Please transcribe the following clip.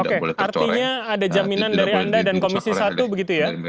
oke artinya ada jaminan dari anda dan komisi satu begitu ya